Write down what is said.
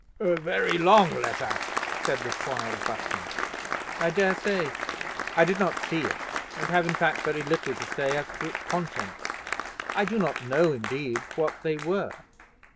"A very long letter," said the Squire of Buston. "I dare say; I did not see it, and have in fact very little to say as to its contents. I do not know, indeed, what they were."